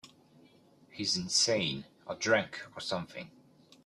He's insane or drunk or something.